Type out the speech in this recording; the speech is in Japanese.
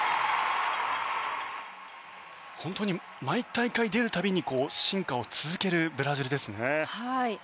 本当に毎大会出る度に進化を続けるブラジルですね。